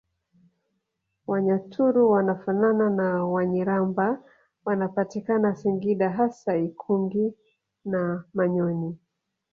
Wanyaturu wanafanana na Wanyiramba wanapatikana singida hasa ikungi na manyoni